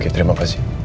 oke terima kasih